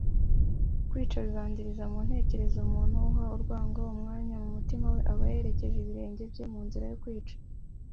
kwica bibanziriza mu ntekerezo umuntu uha urwango umwanya mu mutima we aba yerekeje ibirenge bye mu nzira yo kwica,